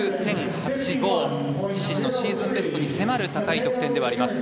自身のシーズンベストに迫る高い得点ではあります。